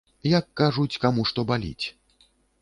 Як кажуць, каму што баліць.